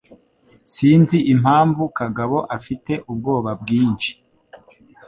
Sinzi impamvu kagabo afite ubwoba bwinshi